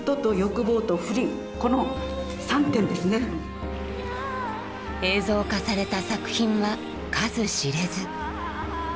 大体映像化された作品は数知れず。